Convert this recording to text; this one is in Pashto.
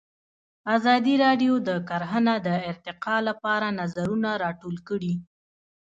ازادي راډیو د کرهنه د ارتقا لپاره نظرونه راټول کړي.